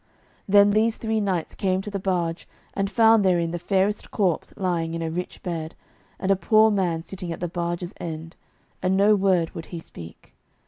Then these three knights came to the barge, and found therein the fairest corpse lying in a rich bed, and a poor man sitting at the barge's end, and no word would he speak.